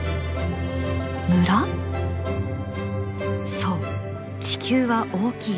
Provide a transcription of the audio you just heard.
そう「地球は大きい。